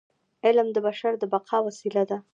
علم د بشر د بقاء وسیله ده.